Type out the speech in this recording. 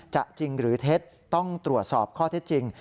จริงหรือเท็จต้องตรวจสอบข้อเท็จจริง